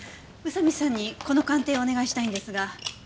宇佐見さんにこの鑑定をお願いしたいんですが。